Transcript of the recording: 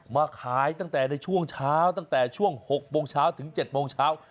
มาขายตั้งแต่ในช่วงเช้าตั้งแต่ช่วง๖โมงเช้าถึง๗โมงเช้า